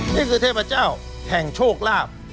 นี่คือเทพเจ้าแห่งโชคลาภ